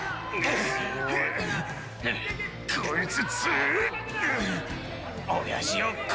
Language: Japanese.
「こいつ！」